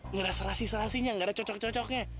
ngeraserasi rasinya ga ada cocok cocoknya